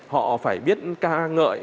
họ phải biết ca ngợi